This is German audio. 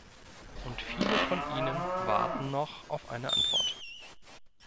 Und viele von ihnen warten noch auf eine Antwort.